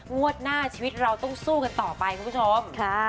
งวดหน้าชีวิตเราต้องสู้กันต่อไปคุณผู้ชม